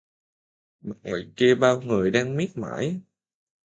Mặc ngoài kia bao người đang miết mải